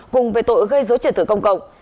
cùng về tội gây dối trả tự công cộng